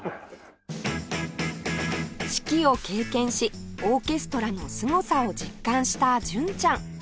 指揮を経験しオーケストラのすごさを実感した純ちゃん